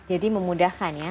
jadi memudahkan ya